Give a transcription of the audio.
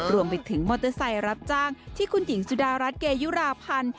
รวมไปถึงมอเตอร์ไซค์รับจ้างที่คุณหญิงสุดารัฐเกยุราพันธ์